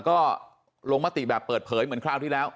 ก็ลงมติแบบเปิดเผยเหมือนคราวที่แล้ว